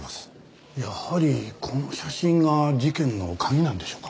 やはりこの写真が事件の鍵なんでしょうか？